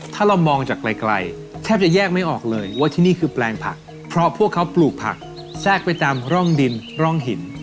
ถ้าเรามองจากไกลแทบจะแยกไม่ออกเลยว่าที่นี่คือแปลงผักเพราะพวกเขาปลูกผักแทรกไปตามร่องดินร่องหิน